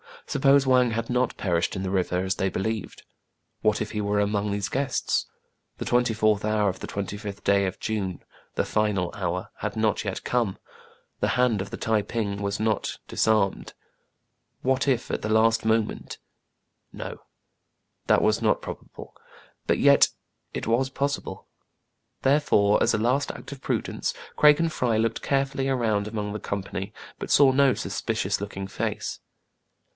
Suppose Wang had not perished in the river, as they believed. What if he were among these guests } The twenty fourth hour of the twenty fifth day of June — the final hour — had not yet come! The hand of the Tai ping was not dis armed ! What, if at the last moment — No, that was not probable ; but yet it was possi ble. Therefore, as a last act of prudence, Craig and Fry looked carefully around among the com pany, but saw no suspicious looking face.